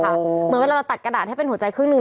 เหมือนเวลาเราตัดกระดาษให้เป็นหัวใจครึ่งหนึ่ง